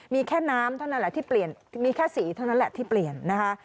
มีแค่น้ำเท่านั้นแหละที่เปลี่ยนมีแค่สีเท่านั้นแหละที่เปลี่ยนนะคะ